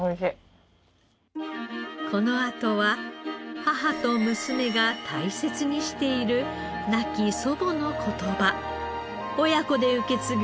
このあとは母と娘が大切にしている亡き祖母の言葉。